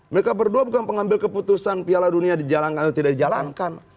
mereka berdua bukan pengambil keputusan piala dunia dijalankan atau tidak dijalankan